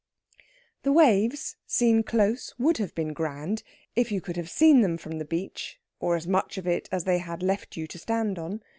The waves, seen close, would have been grand if you could have seen them from the beach, or as much of it as they had left you to stand on.